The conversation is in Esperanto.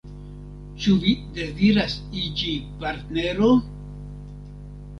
Ĉu vi deziras iĝi partnero?